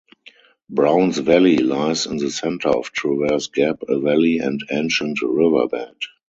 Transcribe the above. Browns Valley Lies in the center of Traverse Gap, a valley and ancient riverbed.